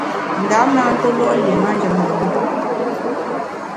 Ndam na ntuólo’ lié manjem lùm lùm.